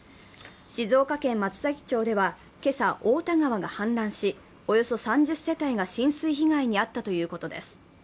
静岡県松崎町では今朝太田川が氾濫し、およそ３０世帯が浸水被害に遭ったということです。